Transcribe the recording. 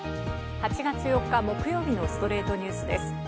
８月４日、木曜日の『ストレイトニュース』です。